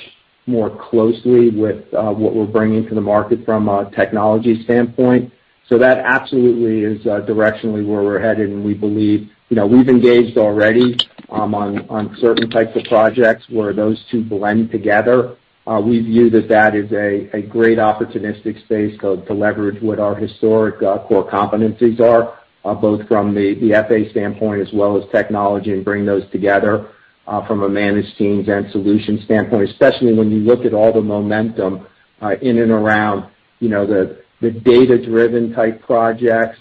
more closely with what we're bringing to the market from a technology standpoint. That absolutely is directionally where we're headed, and we've engaged already on certain types of projects where those two blend together. We view that is a great opportunistic space to leverage what our historic core competencies are, both from the FA standpoint as well as technology, and bring those together from a managed teams and solutions standpoint, especially when you look at all the momentum in and around the data-driven type projects,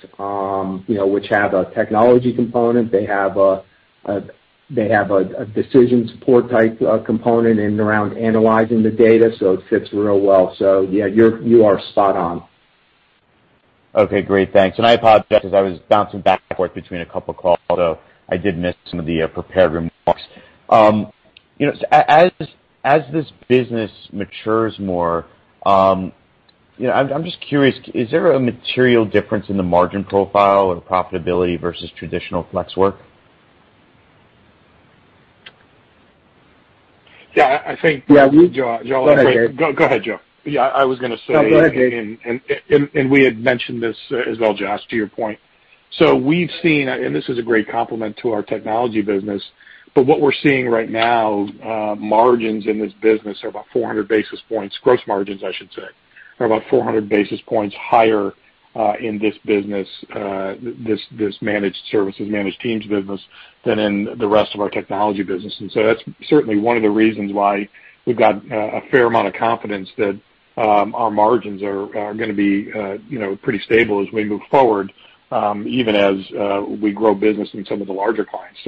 which have a technology component. They have a decision support type component in and around analyzing the data, it fits real well. Yeah, you are spot on. Okay. Great. Thanks. I apologize, I was bouncing back and forth between a couple of calls, so I did miss some of the prepared remarks. As this business matures more, I'm just curious, is there a material difference in the margin profile or profitability versus traditional flex work? Yeah. Yeah, go ahead, Dave. Go ahead, Joe. Yeah, I was going to say. No, go ahead, Dave. We had mentioned this as well, Josh, to your point. We've seen, and this is a great complement to our technology business, but what we're seeing right now, margins in this business are about 400 basis points. Gross margins, I should say, are about 400 basis points higher in this business, this managed services, managed teams business, than in the rest of our technology business. That's certainly one of the reasons why we've got a fair amount of confidence that our margins are going to be pretty stable as we move forward, even as we grow business in some of the larger clients.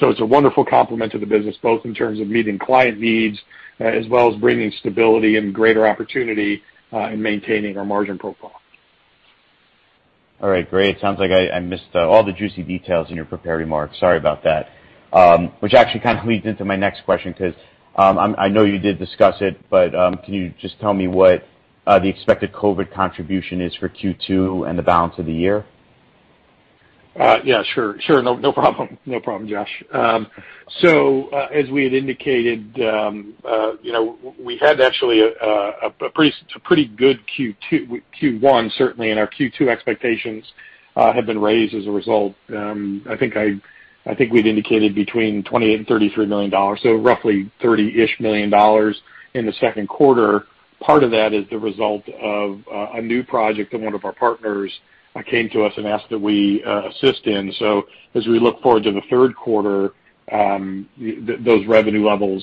It's a wonderful complement to the business, both in terms of meeting client needs as well as bringing stability and greater opportunity in maintaining our margin profile. All right, great. Sounds like I missed all the juicy details in your prepared remarks. Sorry about that. Actually kind of leads into my next question, because I know you did discuss it, but can you just tell me what the expected COVID contribution is for Q2 and the balance of the year? Yeah, sure. No problem, Josh. As we had indicated, we had actually a pretty good Q1, certainly, and our Q2 expectations have been raised as a result. I think we'd indicated between $28 million and $33 million, roughly $30 million in the second quarter. Part of that is the result of a new project that one of our partners came to us and asked that we assist in. As we look forward to the third quarter, those revenue levels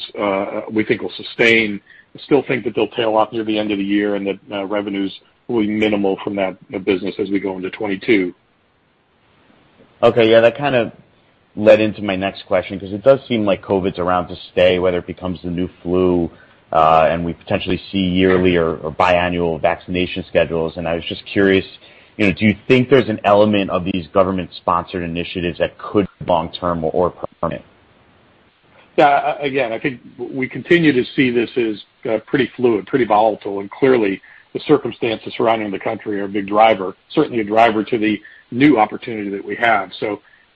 we think will sustain. Still think that they'll tail off near the end of the year and that revenues will be minimal from that business as we go into 2022. Okay. Yeah, that kind of led into my next question, because it does seem like COVID's around to stay, whether it becomes the new flu, and we potentially see yearly or biannual vaccination schedules. I was just curious, do you think there's an element of these government-sponsored initiatives that could be long-term or permanent? Again, I think we continue to see this as pretty fluid, pretty volatile, and clearly the circumstances surrounding the country are a big driver, certainly a driver to the new opportunity that we have.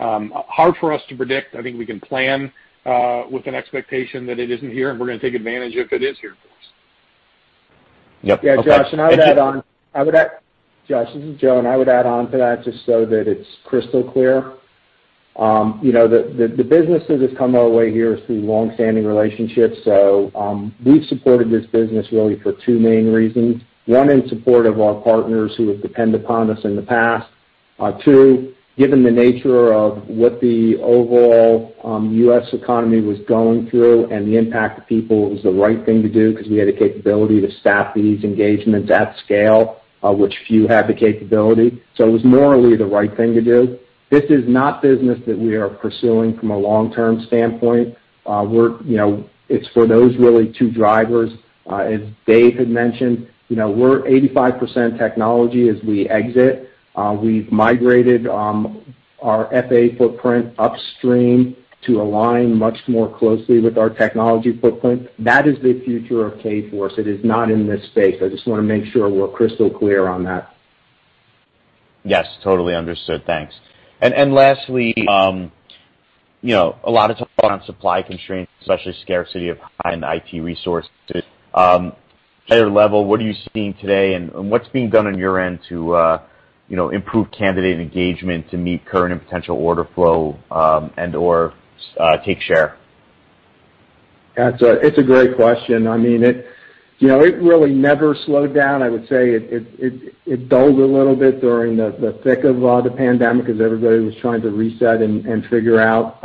Hard for us to predict. I think we can plan with an expectation that it isn't here, and we're going to take advantage if it is here for us. Yep. Okay. Yeah, Josh, I would add on to that just so that it's crystal clear. The business that has come our way here is through longstanding relationships. We've supported this business really for two main reasons. One, in support of our partners who have depended upon us in the past. Two, given the nature of what the overall U.S. economy was going through and the impact to people, it was the right thing to do because we had the capability to staff these engagements at scale, which few had the capability. It was morally the right thing to do. This is not business that we are pursuing from a long-term standpoint. It's for those really two drivers. As Dave had mentioned, we're 85% technology as we exit. We've migrated our FA footprint upstream to align much more closely with our technology footprint. That is the future of Kforce. It is not in this space. I just want to make sure we're crystal clear on that. Yes, totally understood. Thanks. Lastly, a lot of talk on supply constraints, especially scarcity of high-end IT resources. At your level, what are you seeing today, and what's being done on your end to improve candidate engagement to meet current and potential order flow, and/or take share? It's a great question. It really never slowed down. I would say it dulled a little bit during the thick of the pandemic as everybody was trying to reset and figure out.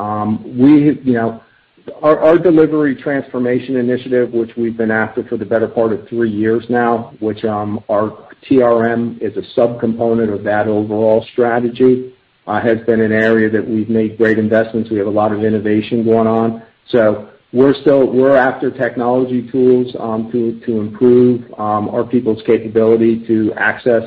Our delivery transformation initiative, which we've been after for the better part of three years now, which our TRM is a sub-component of that overall strategy, has been an area that we've made great investments. We have a lot of innovation going on. We're after technology tools to improve our people's capability to access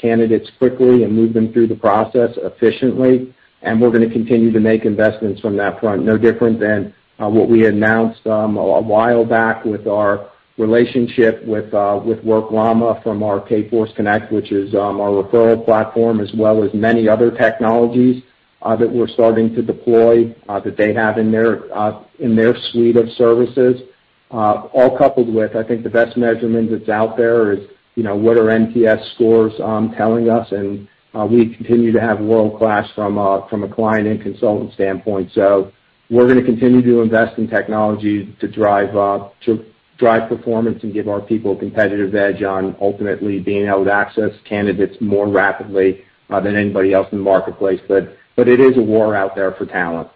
candidates quickly and move them through the process efficiently. We're going to continue to make investments from that front. No different than what we announced a while back with our relationship with WorkLLama from our KFORCEconnect, which is our referral platform, as well as many other technologies that we're starting to deploy that they have in their suite of services. All coupled with, I think the best measurement that's out there is, what are NPS scores telling us? We continue to have world-class from a client and consultant standpoint. We're going to continue to invest in technology to drive performance and give our people a competitive edge on ultimately being able to access candidates more rapidly than anybody else in the marketplace. It is a war out there for talent.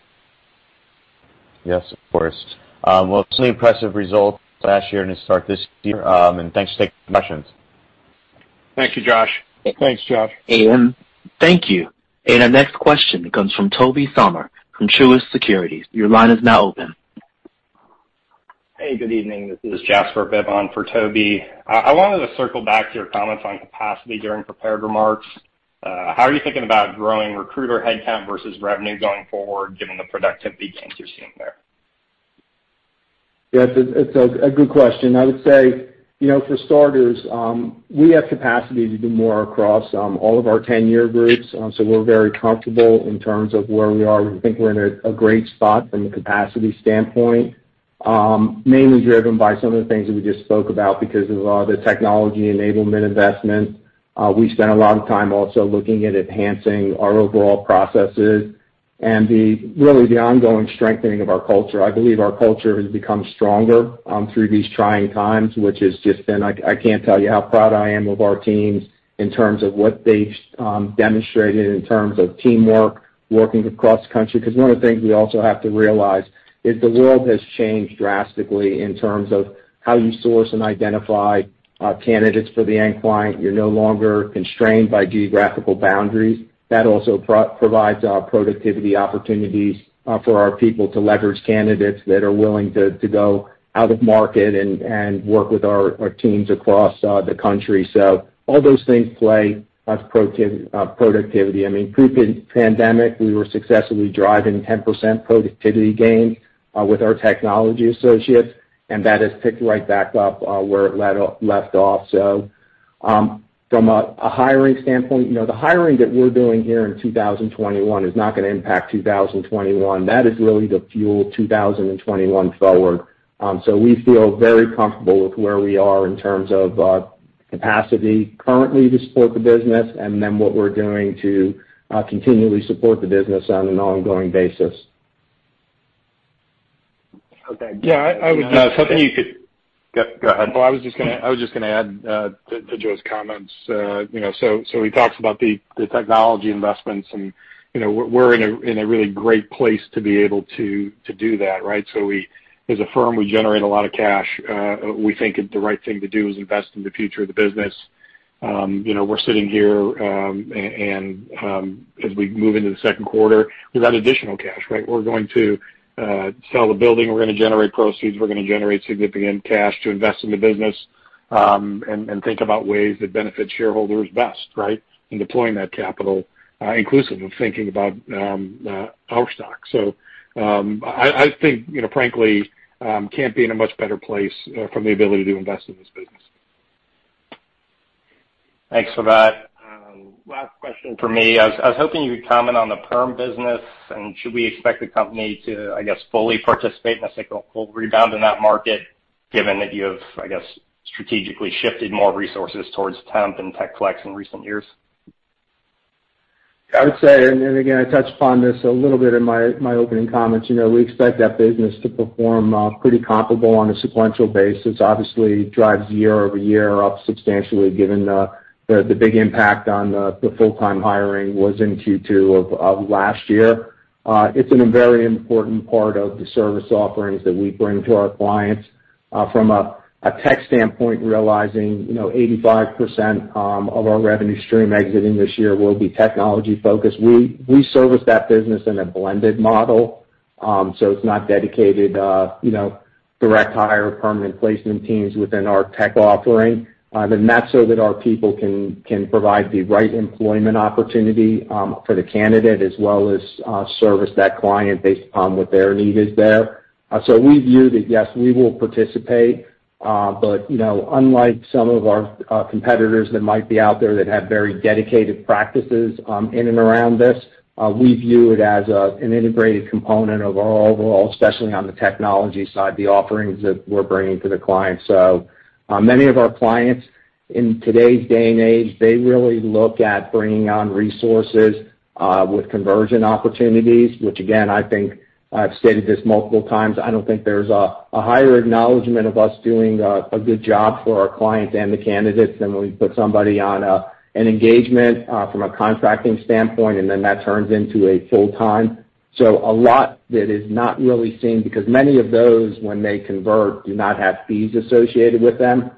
Yes, of course. Well, it's an impressive result last year and to start this year. Thanks for taking the questions. Thank you, Josh. Thank you. Our next question comes from Tobey Sommer, from Truist Securities. Your line is now open. Hey, good evening. This is Jasper Bibb for Tobey. I wanted to circle back to your comments on capacity during prepared remarks. How are you thinking about growing recruiter headcount versus revenue going forward, given the productivity gains you're seeing there? Yes, it's a good question. I would say, for starters, we have capacity to do more across all of our tenure groups. We're very comfortable in terms of where we are. We think we're in a great spot from the capacity standpoint. Mainly driven by some of the things that we just spoke about because of the technology enablement investment. We spent a lot of time also looking at enhancing our overall processes and really the ongoing strengthening of our culture. I believe our culture has become stronger through these trying times. I can't tell you how proud I am of our teams in terms of what they've demonstrated in terms of teamwork, working across country. One of the things we also have to realize is the world has changed drastically in terms of how you source and identify candidates for the end client. You're no longer constrained by geographical boundaries. That also provides productivity opportunities for our people to leverage candidates that are willing to go out of market and work with our teams across the country. All those things play as productivity. Pre-pandemic, we were successfully driving 10% productivity gains with our technology associates, and that has picked right back up where it left off. From a hiring standpoint, the hiring that we're doing here in 2021 is not going to impact 2021. That is really to fuel 2021 forward. We feel very comfortable with where we are in terms of capacity currently to support the business and then what we're doing to continually support the business on an ongoing basis. Okay. Yeah. Yeah. Go ahead. I was just going to add to Joe's comments. He talks about the technology investments, and we're in a really great place to be able to do that, right? As a firm, we generate a lot of cash. We think the right thing to do is invest in the future of the business. We're sitting here, and as we move into the second quarter, we've got additional cash, right? We're going to sell the building, we're going to generate proceeds, we're going to generate significant cash to invest in the business. Think about ways that benefit shareholders best, right? In deploying that capital, inclusive of thinking about our stock. I think frankly, can't be in a much better place from the ability to invest in this business. Thanks for that. Last question for me. I was hoping you would comment on the perm business and should we expect the company to, I guess, fully participate in a cyclical full rebound in that market, given that you have, I guess, strategically shifted more resources towards temp and tech flex in recent years? I would say, again, I touched upon this a little bit in my opening comments. We expect that business to perform pretty comparable on a sequential basis. Obviously drives year-over-year up substantially given the big impact on the full-time hiring was in Q2 of last year. It's a very important part of the service offerings that we bring to our clients. From a tech standpoint, realizing 85% of our revenue stream exiting this year will be technology focused. We service that business in a blended model, so it's not dedicated direct hire permanent placement teams within our tech offering. That's so that our people can provide the right employment opportunity for the candidate as well as service that client based upon what their need is there. We view that, yes, we will participate. Unlike some of our competitors that might be out there that have very dedicated practices in and around this, we view it as an integrated component of our overall, especially on the technology side, the offerings that we're bringing to the client. Many of our clients in today's day and age, they really look at bringing on resources with conversion opportunities, which again, I think I've stated this multiple times. I don't think there's a higher acknowledgment of us doing a good job for our clients and the candidates than when we put somebody on an engagement from a contracting standpoint, and then that turns into a full-time. A lot that is not really seen, because many of those, when they convert, do not have fees associated with them.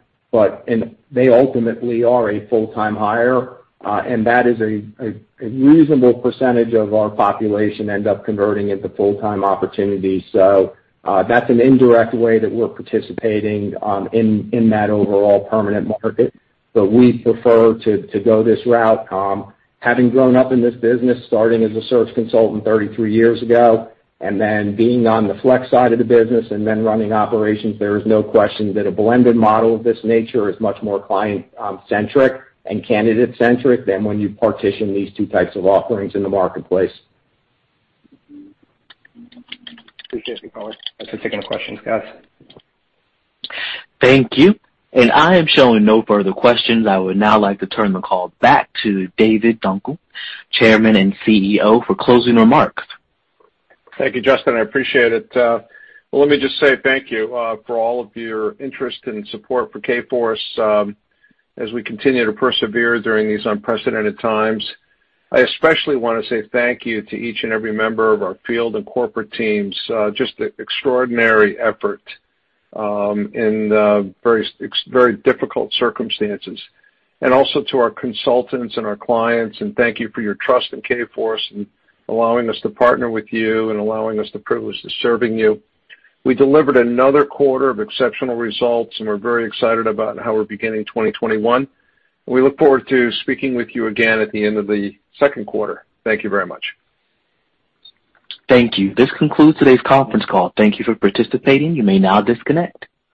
They ultimately are a full-time hire, and that is a reasonable percentage of our population end up converting into full-time opportunities. That's an indirect way that we're participating in that overall permanent market. We prefer to go this route. Having grown up in this business, starting as a search consultant 33 years ago, and then being on the flex side of the business and then running operations, there is no question that a blended model of this nature is much more client-centric and candidate-centric than when you partition these two types of offerings in the marketplace. Appreciate the color. That's the second question. Guys? Thank you. I am showing no further questions. I would now like to turn the call back to David Dunkel, Chairman and CEO, for closing remarks. Thank you, Justin. I appreciate it. Well, let me just say thank you for all of your interest and support for Kforce as we continue to persevere during these unprecedented times. I especially want to say thank you to each and every member of our field and corporate teams. Just extraordinary effort in very difficult circumstances. Also to our consultants and our clients, and thank you for your trust in Kforce and allowing us to partner with you and allowing us the privilege to serving you. We delivered another quarter of exceptional results, and we're very excited about how we're beginning 2021. We look forward to speaking with you again at the end of the second quarter. Thank you very much. Thank you. This concludes today's conference call. Thank you for participating. You may now disconnect.